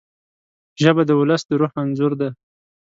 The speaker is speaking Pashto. ژبه د ولس د روح انځور ده